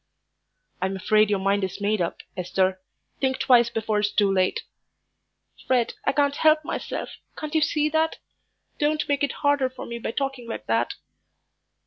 "I'm afraid your mind is made up, Esther. Think twice before it's too late." "Fred, I can't help myself can't you see that? Don't make it harder for me by talking like that."